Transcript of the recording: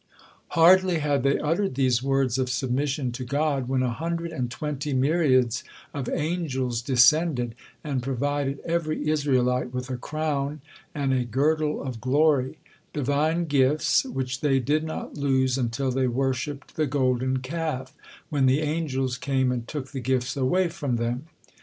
Hardly had they uttered these words of submission to God, when a hundred and twenty myriads of angels descended, an provided every Israelite with a crown and a girdle of glory Divine gifts, which they did not lose until they worshipped the Golden Calf, when the angels came and took the gifts away from them.